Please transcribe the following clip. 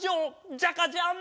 ジャカジャン！